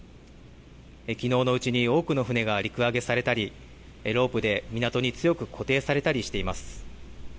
きのうのうちに多くの船が陸揚げされたり、ロープで港に強く固定されたりしています。